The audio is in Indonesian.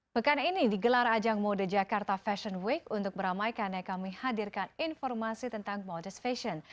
pekan ini digelar ajang mode jakarta fashion week untuk beramai karena kami hadirkan informasi tentang motif fashion